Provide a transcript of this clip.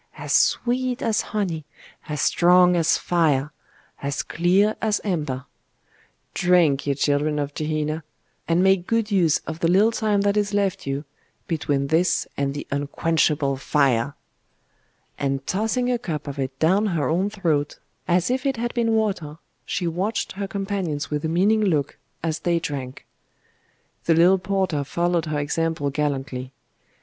As sweet as honey, as strong as fire, as clear as amber! Drink, ye children of Gehenna; and make good use of the little time that is left you between this and the unquenchable fire!' And tossing a cup of it down her own throat, as if it had been water, she watched her companions with a meaning look, as they drank. The little porter followed her example gallantly.